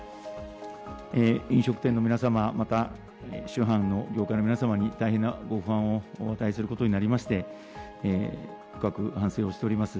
飲食店の皆様、また酒販の業界の皆様に大変なご不安をお与えすることになりまして、深く反省をしております。